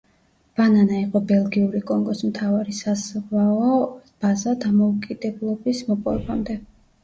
ბანანა იყო ბელგიური კონგოს მთავარი საზღვაო ბაზა დამოუკიდებლობის მოპოვებამდე.